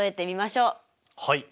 はい。